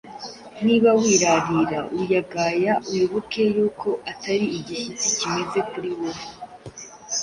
Niba wirarira uyagaya, wibuke yuko atari igishyitsi kimeze kuri wowe,